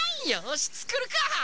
よしつくるか！